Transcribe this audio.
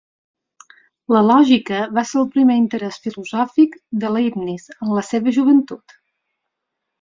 La lògica va ser el primer interès filosòfic de Leibniz en la seva joventut.